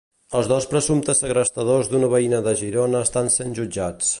Els dos presumptes segrestadors d'una veïna de Girona estan sent jutjats.